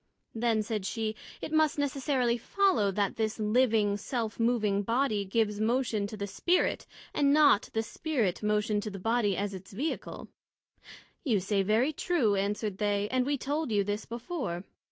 Then, said she, it must necessarily follow, that this living, Self moving Body gives motion to the Spirit, and not the Spirit motion to the Body, as its Vehicle. You say very true, answered they, and we told you this before.